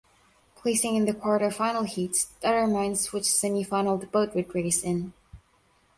Placing in the quarterfinal heats determines which semifinal the boat would race in.